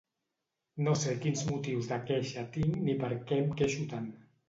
No sé quins motius de queixa tinc ni per què em queixo tant.